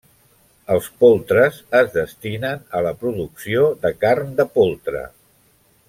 Els poltres es destinen a la producció de carn de poltre.